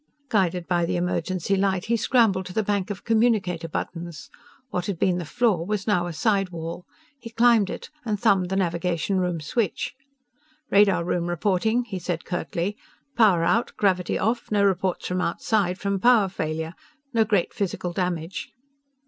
Guided by the emergency light, he scrambled to the bank of communicator buttons. What had been the floor was now a side wall. He climbed it and thumbed the navigation room switch. "Radar room reporting," he said curtly. "Power out, gravity off, no reports from outside from power failure. No great physical damage."